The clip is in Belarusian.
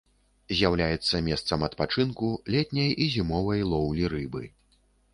З'яўляецца месцам адпачынку, летняй і зімовай лоўлі рыбы.